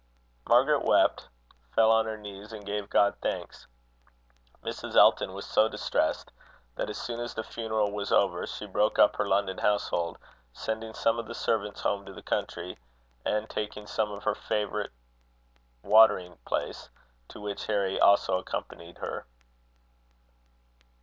Margaret wept, fell on her knees, and gave God thanks. Mrs. Elton was so distressed, that, as soon as the funeral was over, she broke up her London household, sending some of the servants home to the country, and taking some to her favourite watering place, to which Harry also accompanied her.